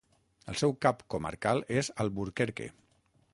El seu cap comarcal és Alburquerque.